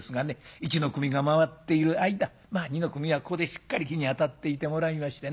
一の組が回っている間二の組はここでしっかり火にあたっていてもらいましてな